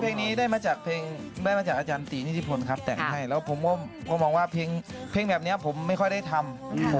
เพลงนี้ได้มาจากเพลงอาจารย์ตีนิทธิภนครับแต่งให้แล้วผมว่าเพลงแบบนี้ผมไม่ค่อยได้ทำ